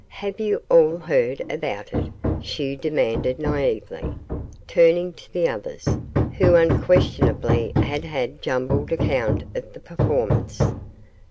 "Have you all heard about it?" she demanded, naively, turning to the others, who unquestionably had had a jumbled account of the performance.